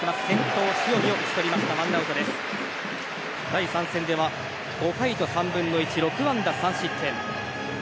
第３戦では、５回と３分の１６安打３失点。